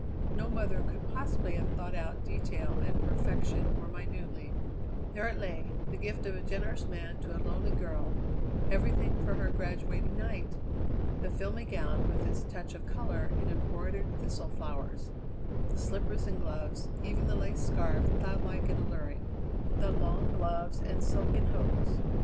No mother could possibly have thought out detail and perfection more minutely. There it lay, the gift of a generous man to a lonely girl, everything for her graduating night! The filmy gown with its touch of colour in embroidered thistle flowers; the slippers and gloves; even the lace scarf, cloud like and alluring; the long gloves and silken hose.